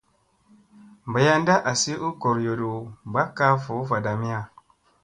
Bayanda asi u gooyodu ba kaa voo vadamiya.